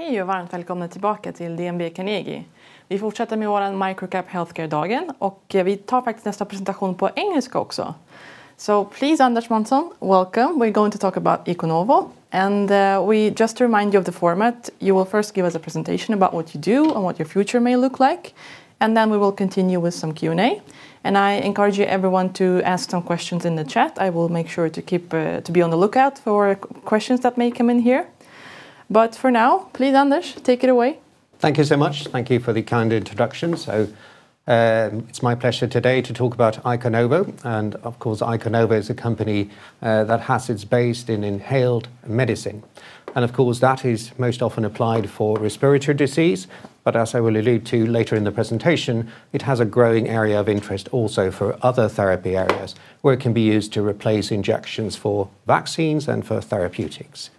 Hey, och varmt välkomna tillbaka till DNB Carnegie. Vi fortsätter med våran Micro Cap Healthcare-dagen och vi tar faktiskt nästa presentation på engelska också. Please, Anders Månsson, welcome. We're going to talk about Iconovo. We just remind you of the format. You will first give us a presentation about what you do and what your future may look like. We will continue with some Q&A. I encourage everyone to ask some questions in the chat. I will make sure to be on the lookout for questions that may come in here. For now, please, Anders, take it away. Thank you so much. Thank you for the kind introduction. It's my pleasure today to talk about Iconovo. Of course, Iconovo is a company that has its base in inhaled medicine. Of course, that is most often applied for respiratory disease. As I will allude to later in the presentation, it has a growing area of interest also for other therapy areas where it can be used to replace injections for vaccines and for therapeutics.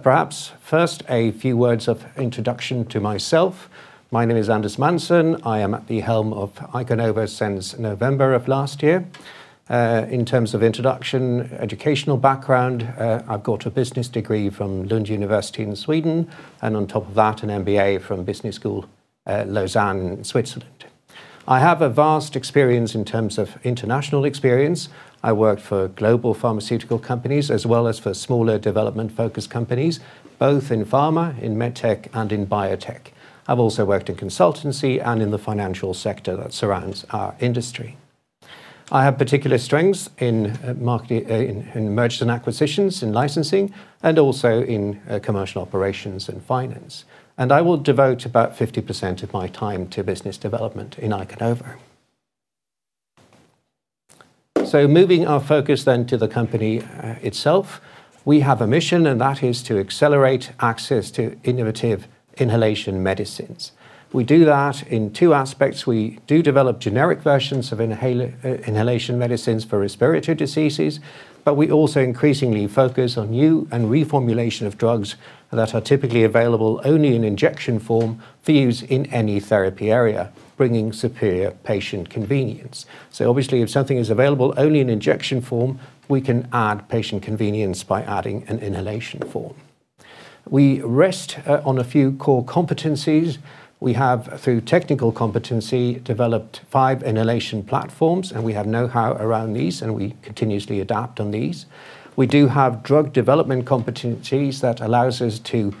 Perhaps first, a few words of introduction to myself. My name is Anders Månsson. I am at the helm of Iconovo since November of last year. In terms of introduction, educational background, I've got a business degree from Lund University in Sweden, and on top of that, an MBA from IMD Business School, Lausanne, Switzerland. I have a vast experience in terms of international experience. I work for global pharmaceutical companies, as well as for smaller development-focused companies, both in pharma, in med tech, and in biotech. I've also worked in consultancy and in the financial sector that surrounds our industry. I have particular strengths in marketing, in mergers and acquisitions, in licensing, and also in commercial operations and finance. I will devote about 50% of my time to business development in Iconovo. Moving our focus then to the company itself, we have a mission that is to accelerate access to innovative inhalation medicines. We do that in two aspects. We do develop generic versions of inhalation medicines for respiratory diseases, we also increasingly focus on new and reformulation of drugs that are typically available only in injection form for use in any therapy area, bringing superior patient convenience. Obviously, if something is available only in injection form, we can add patient convenience by adding an inhalation form. We rest on a few core competencies. We have, through technical competency, developed five inhalation platforms, and we have know-how around these, and we continuously adapt on these. We do have drug development competencies that allows us to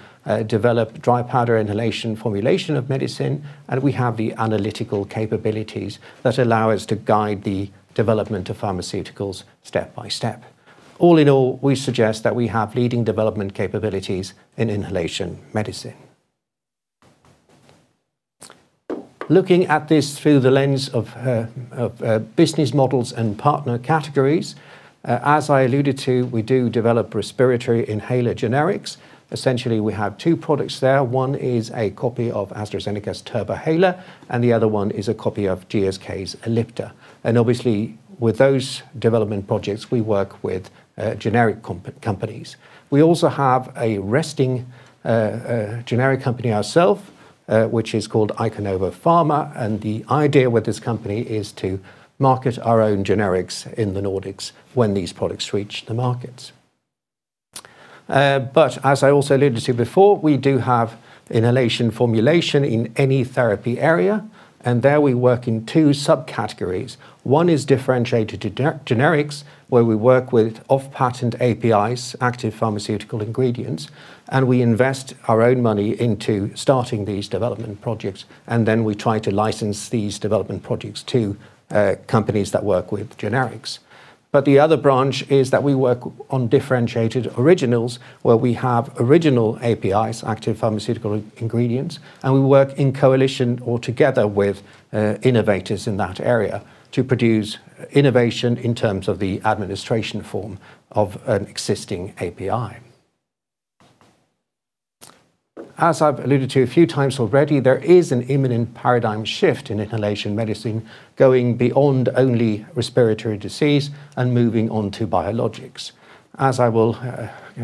develop dry powder inhalation formulation of medicine, and we have the analytical capabilities that allow us to guide the development of pharmaceuticals step by step. All in all, we suggest that we have leading development capabilities in inhalation medicine. Looking at this through the lens of business models and partner categories, as I alluded to, we do develop respiratory inhaler generics. Essentially, we have two products there. One is a copy of AstraZeneca's Turbuhaler, and the other one is a copy of GSK's Ellipta. Obviously, with those development projects, we work with generic companies. We also have a resting generic company ourself, which is called Iconovo Pharma. The idea with this company is to market our own generics in the Nordics when these products reach the markets. As I also alluded to before, we do have inhalation formulation in any therapy area, and there we work in two subcategories. One is differentiated generics, where we work with off-patent APIs, active pharmaceutical ingredients, and we invest our own money into starting these development projects, and then we try to license these development projects to companies that work with generics. The other branch is that we work on differentiated originals, where we have original APIs, active pharmaceutical ingredients, and we work in coalition or together with innovators in that area to produce innovation in terms of the administration form of an existing API. As I've alluded to a few times already, there is an imminent paradigm shift in inhalation medicine going beyond only respiratory disease and moving on to biologics. As I will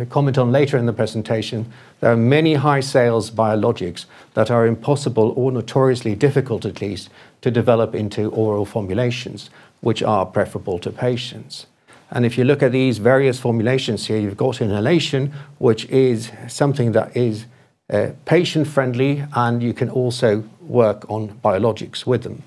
comment on later in the presentation, there are many high sales biologics that are impossible or notoriously difficult, at least, to develop into oral formulations, which are preferable to patients. If you look at these various formulations here, you've got inhalation, which is something that is patient friendly, and you can also work on biologics with them.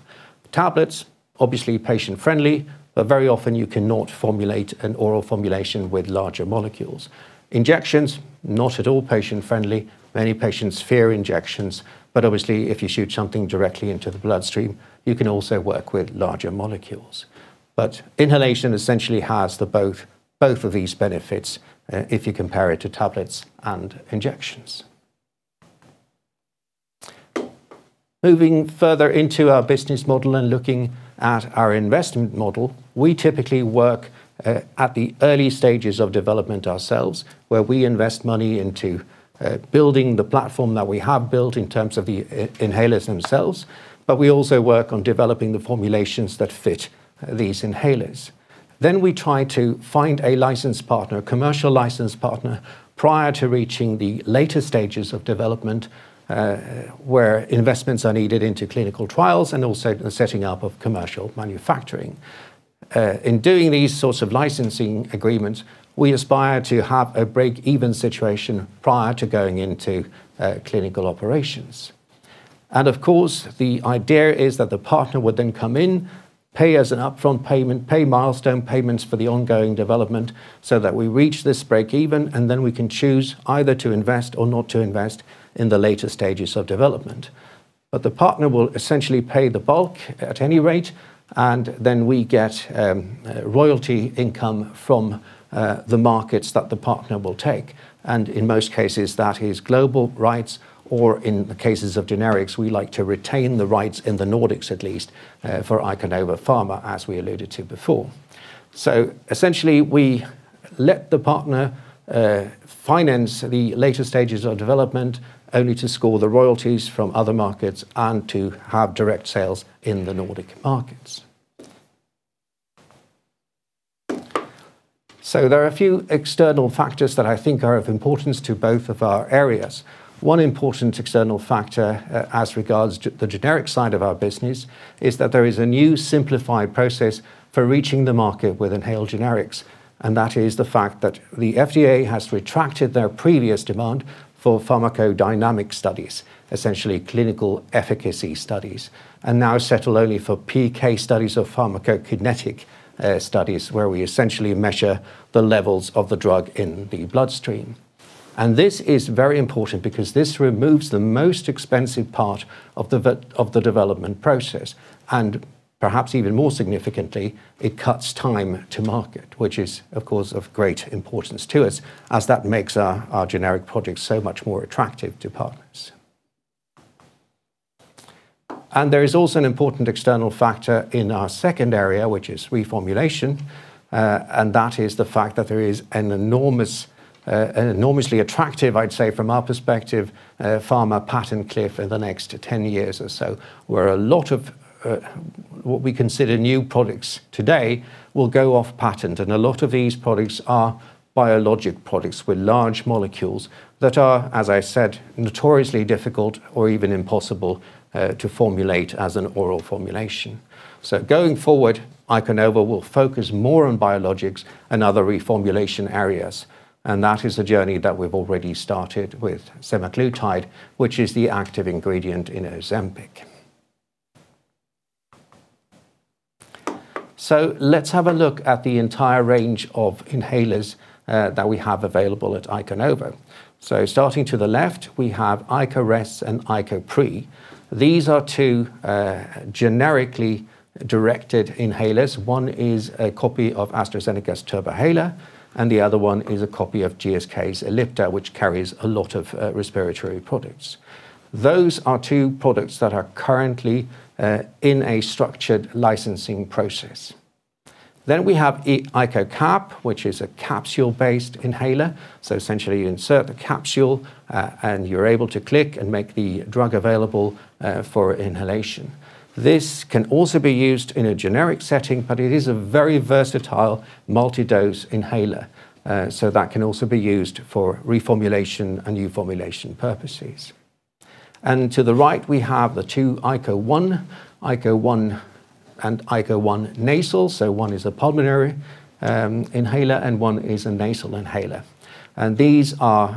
Tablets, obviously patient friendly, but very often you cannot formulate an oral formulation with larger molecules. Injections, not at all patient friendly. Many patients fear injections, but obviously, if you shoot something directly into the bloodstream, you can also work with larger molecules. Inhalation essentially has both of these benefits, if you compare it to tablets and injections. Moving further into our business model and looking at our investment model, we typically work at the early stages of development ourselves, where we invest money into building the platform that we have built in terms of the inhalers themselves, but we also work on developing the formulations that fit these inhalers. We try to find a license partner, commercial license partner, prior to reaching the later stages of development, where investments are needed into clinical trials and also the setting up of commercial manufacturing. In doing these sorts of licensing agreements, we aspire to have a break-even situation prior to going into clinical operations. Of course, the idea is that the partner would then come in, pay us an upfront payment, pay milestone payments for the ongoing development, so that we reach this break even, and then we can choose either to invest or not to invest in the later stages of development. The partner will essentially pay the bulk at any rate, and then we get royalty income from the markets that the partner will take. In most cases, that is global rights, or in the cases of generics, we like to retain the rights in the Nordics at least, for Iconovo Pharma, as we alluded to before. Essentially, we let the partner finance the later stages of development only to score the royalties from other markets and to have direct sales in the Nordic markets. There are a few external factors that I think are of importance to both of our areas. One important external factor, as regards the generic side of our business is that there is a new simplified process for reaching the market with inhaled generics. That is the fact that the FDA has retracted their previous demand for pharmacodynamic studies, essentially clinical efficacy studies, and now settle only for PK studies or pharmacokinetic studies, where we essentially measure the levels of the drug in the bloodstream. This is very important because this removes the most expensive part of the development process, and perhaps even more significantly, it cuts time to market, which is, of course, of great importance to us, as that makes our generic projects so much more attractive to partners. There is also an important external factor in our second area, which is reformulation, and that is the fact that there is an enormous, an enormously attractive, I'd say, from our perspective, pharma patent cliff in the next 10 years or so, where a lot of what we consider new products today will go off patent. A lot of these products are biologic products with large molecules that are, as I said, notoriously difficult or even impossible to formulate as an oral formulation. Going forward, Iconovo will focus more on biologics and other reformulation areas, and that is a journey that we've already started with semaglutide, which is the active ingredient in Ozempic. Let's have a look at the entire range of inhalers that we have available at Iconovo. Starting to the left, we have ICOres and ICOpre. These are two generically directed inhalers. One is a copy of AstraZeneca's Turbuhaler, and the other one is a copy of GSK's Ellipta, which carries a lot of respiratory products. Those are two products that are currently in a structured licensing process. We have ICOcap, which is a capsule-based inhaler. Essentially you insert the capsule and you're able to click and make the drug available for inhalation. This can also be used in a generic setting, but it is a very versatile multi-dose inhaler, so that can also be used for reformulation and new formulation purposes. To the right we have the two ICOone and ICOone Nasal. One is a pulmonary inhaler and one is a nasal inhaler. These are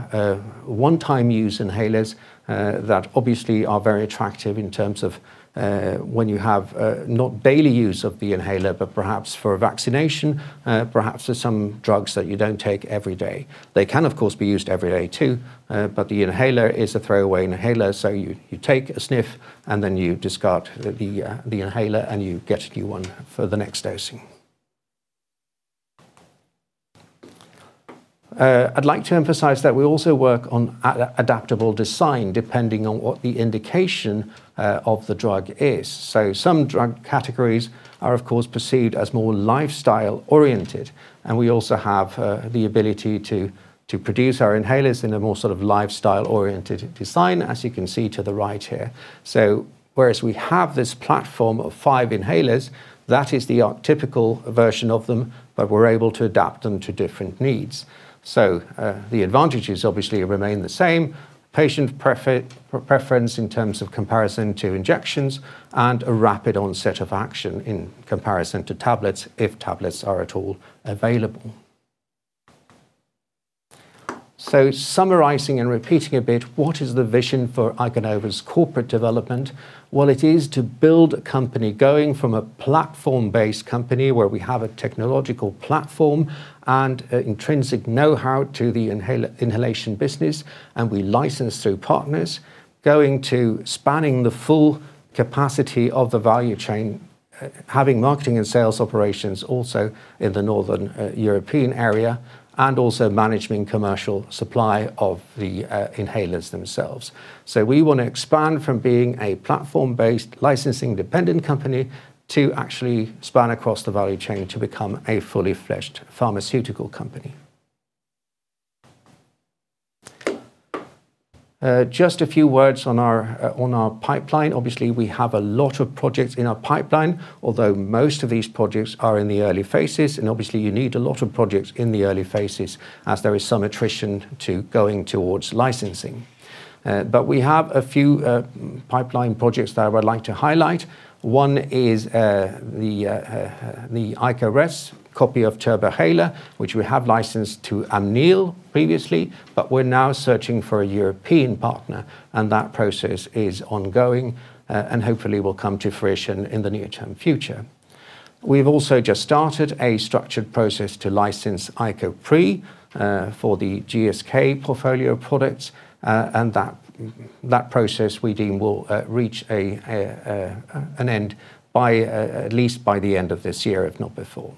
one-time use inhalers that obviously are very attractive in terms of when you have not daily use of the inhaler, but perhaps for a vaccination, perhaps there's some drugs that you don't take every day. They can, of course, be used every day too, but the inhaler is a throwaway inhaler, so you take a sniff and then you discard the inhaler and you get a new one for the next dosing. I'd like to emphasize that we also work on adaptable design depending on what the indication of the drug is. Some drug categories are, of course, perceived as more lifestyle-oriented. We also have the ability to produce our inhalers in a more sort of lifestyle-oriented design, as you can see to the right here. Whereas we have this platform of five inhalers, that is the archetypical version of them, but we're able to adapt them to different needs. The advantages obviously remain the same, patient preference in terms of comparison to injections and a rapid onset of action in comparison to tablets, if tablets are at all available. Summarizing and repeating a bit, what is the vision for Iconovo's corporate development? It is to build a company going from a platform-based company where we have a technological platform and intrinsic know-how to the inhalation business, and we license through partners, going to spanning the full capacity of the value chain, having marketing and sales operations also in the Nordic European area, and also managing commercial supply of the inhalers themselves. We want to expand from being a platform-based, licensing-dependent company to actually span across the value chain to become a fully fledged pharmaceutical company. Just a few words on our pipeline. Obviously, we have a lot of projects in our pipeline, although most of these projects are in the early phases, and obviously you need a lot of projects in the early phases as there is some attrition to going towards licensing. We have a few pipeline projects that I would like to highlight. One is the ICOres copy of Turbuhaler, which we have licensed to Amneal previously, but we're now searching for a European partner, and that process is ongoing and hopefully will come to fruition in the near-term future. We've also just started a structured process to license ICOpre for the GSK portfolio of products, and that process we deem will reach an end at least by the end of this year, if not before.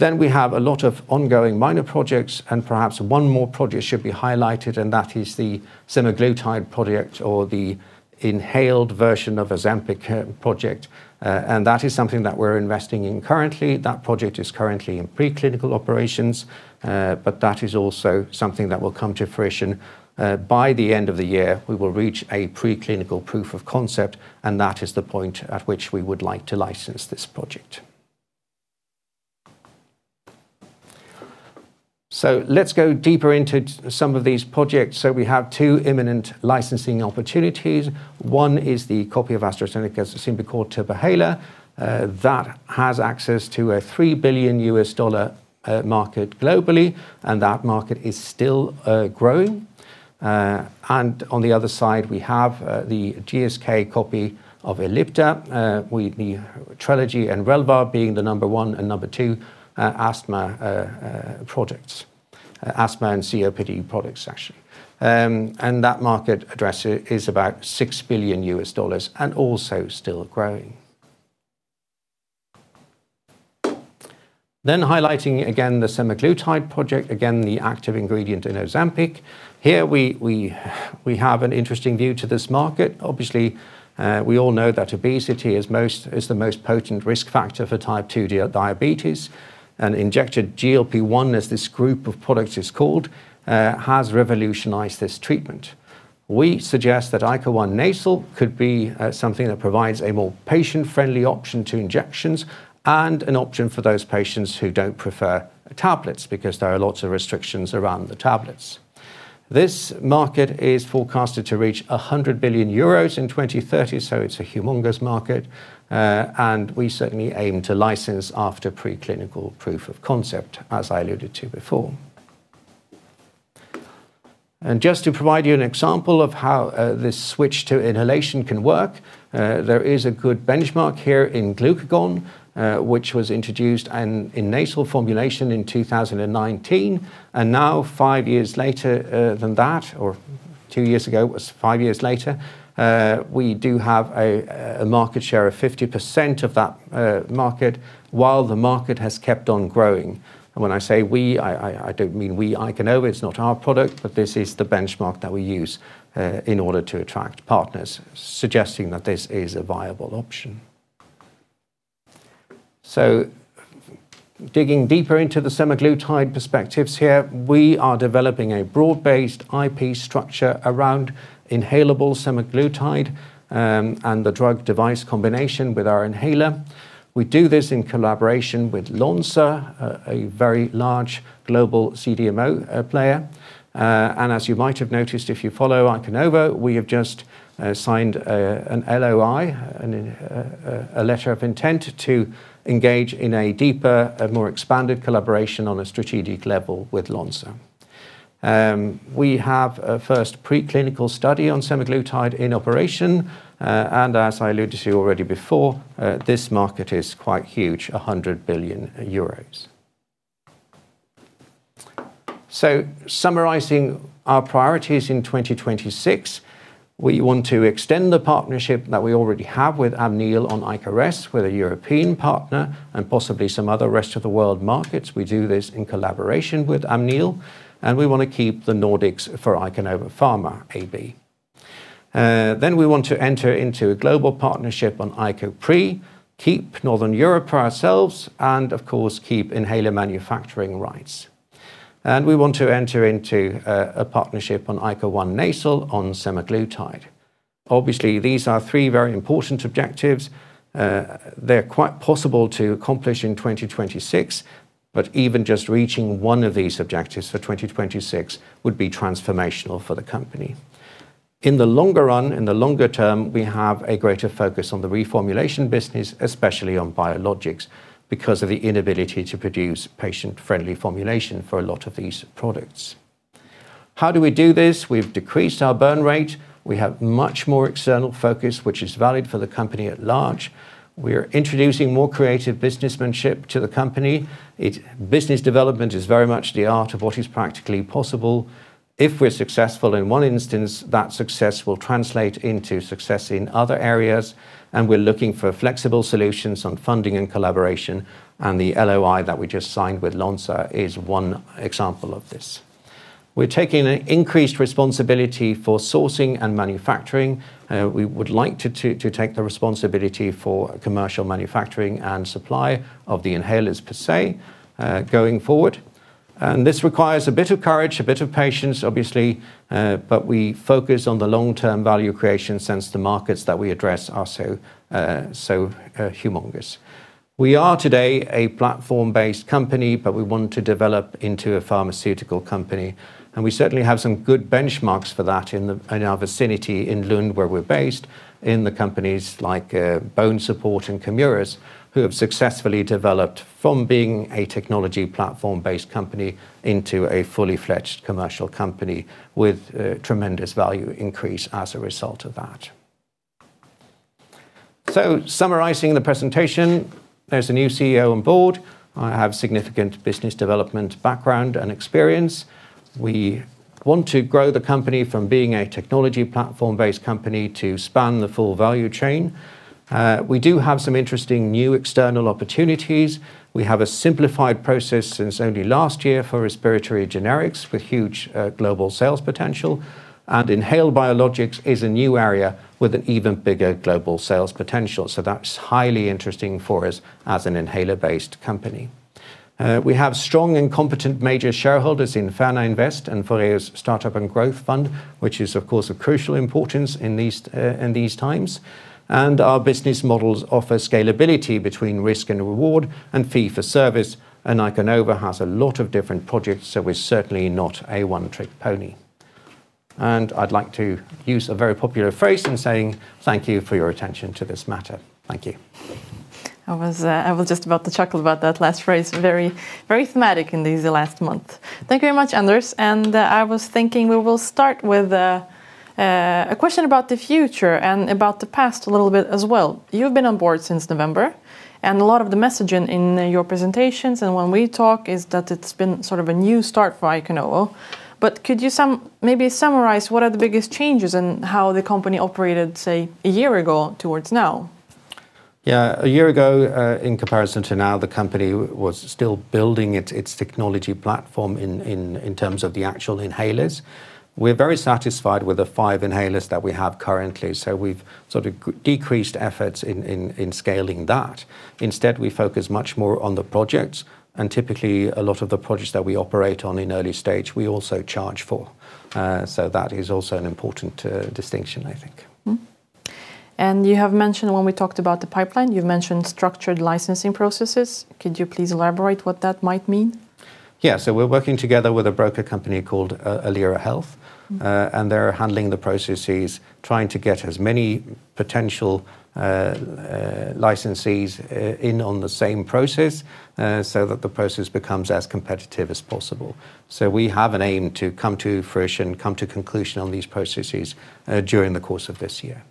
We have a lot of ongoing minor projects, and perhaps one more project should be highlighted, and that is the semaglutide project or the inhaled version of Ozempic project. That is something that we're investing in currently. That project is currently in preclinical operations, but that is also something that will come to fruition. By the end of the year, we will reach a preclinical proof of concept, and that is the point at which we would like to license this project. Let's go deeper into some of these projects. We have two imminent licensing opportunities. One is the copy of AstraZeneca's Symbicort Turbuhaler. That has access to a $3 billion US dollar market globally, and that market is still growing. On the other side, we have the GSK copy of Ellipta. The Trelegy and Relvar being the number one and number two asthma products. Asthma and COPD products, actually. That market address is about $6 billion US dollars and also still growing. Highlighting again the semaglutide project. Again, the active ingredient in Ozempic. Here we have an interesting view to this market. Obviously, we all know that obesity is the most potent risk factor for type 2 diabetes. An injected GLP-1, as this group of products is called, has revolutionized this treatment. We suggest that ICOone Nasal could be something that provides a more patient-friendly option to injections and an option for those patients who don't prefer tablets, because there are lots of restrictions around the tablets. This market is forecasted to reach 100 billion euros in 2030, so it's a humongous market, and we certainly aim to license after preclinical proof of concept, as I alluded to before. Just to provide you an example of how this switch to inhalation can work, there is a good benchmark here in glucagon, which was introduced in nasal formulation in 2019. Now, five years later, than that, or two-years ago, it was five-years later, we do have a market share of 50% of that market while the market has kept on growing. When I say we, I don't mean we Iconovo. It's not our product, but this is the benchmark that we use in order to attract partners, suggesting that this is a viable option. Digging deeper into the semaglutide perspectives here, we are developing a broad-based IP structure around inhalable semaglutide and the drug device combination with our inhaler. We do this in collaboration with Lonza, a very large global CDMO player. As you might have noticed if you follow Iconovo, we have just signed an LOI, a letter of intent to engage in a deeper, a more expanded collaboration on a strategic level with Lonza. We have a first preclinical study on semaglutide in operation. As I alluded to you already before, this market is quite huge, 100 billion euros. Summarizing our priorities in 2026, we want to extend the partnership that we already have with Amneal on ICOres with a European partner and possibly some other rest of the world markets. We do this in collaboration with Amneal, and we wanna keep the Nordics for Iconovo Pharma AB. Then we want to enter into a global partnership on ICOpre, keep Northern Europe for ourselves, and of course, keep inhaler manufacturing rights. We want to enter into a partnership on ICOone Nasal on semaglutide. Obviously, these are three very important objectives. They're quite possible to accomplish in 2026, but even just reaching one of these objectives for 2026 would be transformational for the company. In the longer run, in the longer term, we have a greater focus on the reformulation business, especially on biologics, because of the inability to produce patient-friendly formulation for a lot of these products. How do we do this? We've decreased our burn rate. We have much more external focus, which is valid for the company at large. We are introducing more creative businessmanship to the company. Business development is very much the art of what is practically possible. If we're successful in one instance, that success will translate into success in other areas. We're looking for flexible solutions on funding and collaboration, and the LOI that we just signed with Lonza is one example of this. We're taking an increased responsibility for sourcing and manufacturing. We would like to take the responsibility for commercial manufacturing and supply of the inhalers per se, going forward. This requires a bit of courage, a bit of patience, obviously, but we focus on the long-term value creation since the markets that we address are so humongous. We are today a platform-based company, but we want to develop into a pharmaceutical company, and we certainly have some good benchmarks for that in our vicinity in Lund where we're based, in the companies like BONESUPPORT and Camurus, who have successfully developed from being a technology platform-based company into a fully fledged commercial company with tremendous value increase as a result of that. Summarizing the presentation, there's a new Chief Executive Officer on board. I have significant business development background and experience. We want to grow the company from being a technology platform-based company to span the full value chain. We do have some interesting new external opportunities. We have a simplified process since only last year for respiratory generics with huge global sales potential, and inhaled biologics is a new area with an even bigger global sales potential, so that's highly interesting for us as an inhaler-based company. We have strong and competent major shareholders in Färna Invest and Fåhraeus Startup and Growth Fund, which is, of course, of crucial importance in these times. Our business models offer scalability between risk and reward and fee for service, and Iconovo has a lot of different projects, so we're certainly not a one-trick pony. I'd like to use a very popular phrase in saying thank you for your attention to this matter. Thank you. I was just about to chuckle about that last phrase, very, very thematic in this last month. Thank you very much, Anders. I was thinking we will start with a question about the future and about the past a little bit as well. You've been on board since November, and a lot of the messaging in your presentations and when we talk is that it's been sort of a new start for Iconovo. Could you maybe summarize what are the biggest changes in how the company operated, say, a year ago towards now? A year ago, in comparison to now, the company was still building its technology platform in terms of the actual inhalers. We're very satisfied with the five inhalers that we have currently, so we've sort of decreased efforts in scaling that. Instead, we focus much more on the projects, and typically, a lot of the projects that we operate on in early stage we also charge for. That is also an important distinction, I think. Mm-hmm. You have mentioned when we talked about the pipeline, you've mentioned structured licensing processes. Could you please elaborate what that might mean? Yeah. We're working together with a broker company called, Alira Health- Mm. They're handling the processes, trying to get as many potential, licensees in on the same process, so that the process becomes as competitive as possible. We have an aim to come to fruition, come to conclusion on these processes, during the course of this year.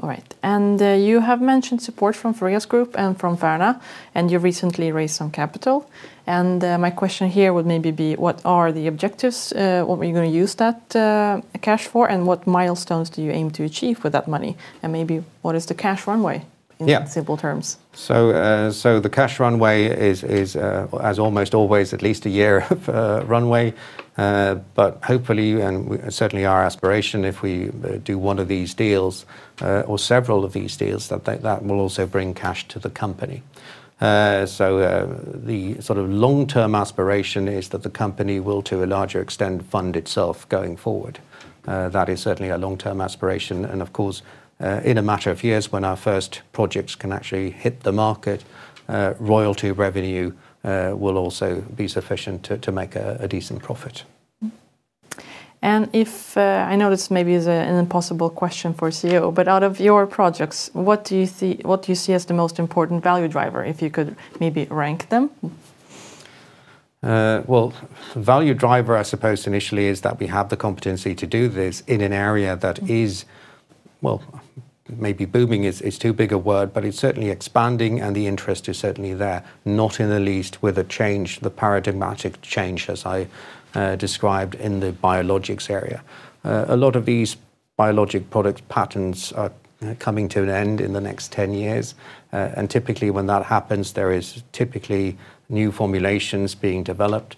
All right. You have mentioned support from Fåhraeus Group and from Färna, and you recently raised some capital. My question here would maybe be what are the objectives, what were you gonna use that cash for, and what milestones do you aim to achieve with that money? Maybe what is the cash runway. Yeah In simple terms? The cash runway is as almost always at least a year of runway. Hopefully, and certainly our aspiration if we do one of these deals, or several of these deals, that will also bring cash to the company. The sort of long-term aspiration is that the company will, to a larger extent, fund itself going forward. That is certainly a long-term aspiration. Of course, in a matter of years when our first projects can actually hit the market, royalty revenue will also be sufficient to make a decent profit. If, I know this maybe is a, an impossible question for a ceo, but out of your projects, what do you see as the most important value driver? If you could maybe rank them? Well, value driver, I suppose, initially is that we have the competency to do this in an area that is, well, maybe booming is too big a word, but it's certainly expanding, and the interest is certainly there. Not in the least with the change, the paradigmatic change, as I described, in the biologics area. A lot of these biologic product patents are coming to an end in the next 10 years. Typically when that happens, there is typically new formulations being developed,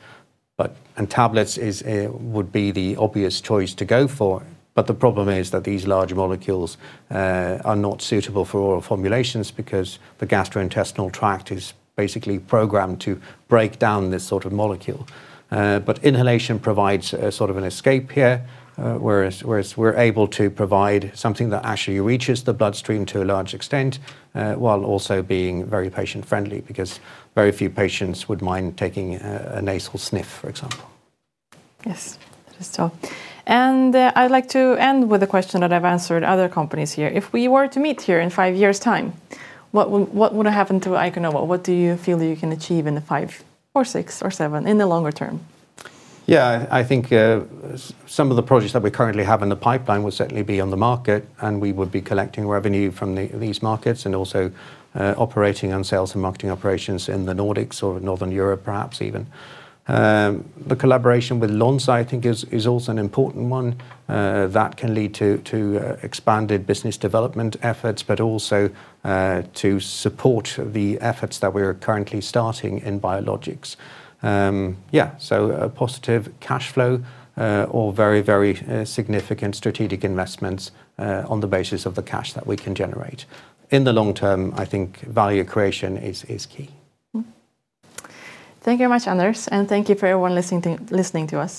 and tablets is would be the obvious choice to go for. The problem is that these large molecules are not suitable for oral formulations because the gastrointestinal tract is basically programmed to break down this sort of molecule. Inhalation provides sort of an escape here, whereas we're able to provide something that actually reaches the bloodstream to a large extent, while also being very patient friendly because very few patients would mind taking a nasal sniff, for example. Yes. That is so. I'd like to end with a question that I've answered other companies here. If we were to meet here in five years time, what would have happened to Iconovo? What do you feel that you can achieve in five or six or seven, in the longer term? Yeah. I think some of the projects that we currently have in the pipeline would certainly be on the market, and we would be collecting revenue from these markets and also operating on sales and marketing operations in the Nordics or Northern Europe perhaps even. The collaboration with Lonza, I think, is also an important one that can lead to expanded business development efforts but also to support the efforts that we're currently starting in biologics. Yeah, a positive cash flow or very significant strategic investments on the basis of the cash that we can generate. In the long term, I think value creation is key. Thank you very much, Anders, thank you for everyone listening to us.